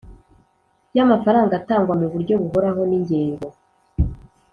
y amafaranga atangwa mu buryo buhoraho n ingengo